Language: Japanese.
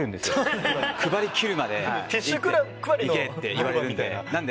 配り切るまで行けって言われるんで。